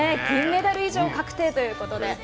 銀メダル以上確定ということで。